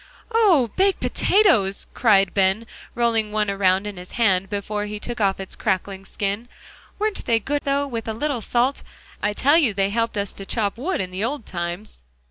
"Oh! baked potatoes," cried Ben, rolling one around in his hand before he took off its crackling skin. "Weren't they good, though, with a little salt. I tell you, they helped us to chop wood in the old times!"